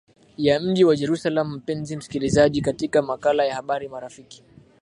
ya mji wa jerusalem mpenzi msikilizaji katika makala ya habari marafiki